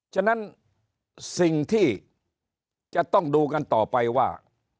ฉะนั้นสิ่งที่จะต้องดูกันต่อไปว่า